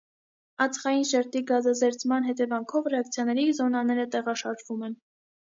Ածխային շերտի գազազերծման հետևանքով ռեակցիաների զոնաները տեղաշարժվում են։